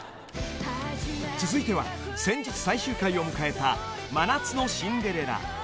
［続いては先日最終回を迎えた『真夏のシンデレラ』］